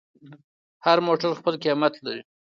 هر موټر خپل قیمت لري.